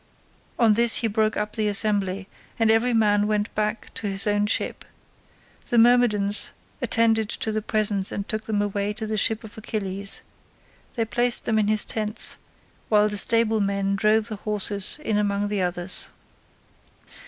On this he broke up the assembly, and every man went back to his own ship. The Myrmidons attended to the presents and took them away to the ship of Achilles. They placed them in his tents, while the stable men drove the horses in among the others.